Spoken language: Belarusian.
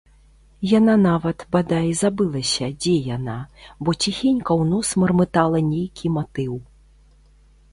Яна нават, бадай, забылася, дзе яна, бо ціхенька ў нос мармытала нейкі матыў.